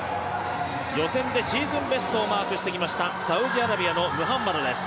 予選でシーズンベストを出してきましたサウジアラビアのムハンマドです。